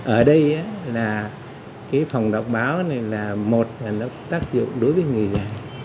ở đây phòng đọc báo này là một tác dụng đối với người già